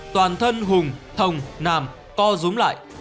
toàn thân hùng thồng nam co dúng lại